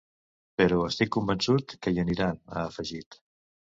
Però estic convençut que hi aniran, ha afegit.